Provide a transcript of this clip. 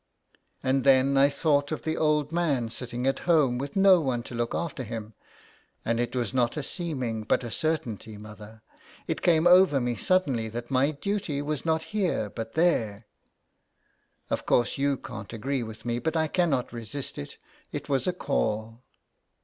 And then I thought of the old man sitting at home with no one to look after him, and it was not a seeming, but a certainty mother. It came over me suddenly that my duty was not here, but there. Of course you can't agree with me, but I cannot resist it, it was a call.''